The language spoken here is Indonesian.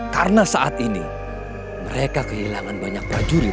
karena saat ini mereka kehilangan banyak prajurit